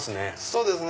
そうですね。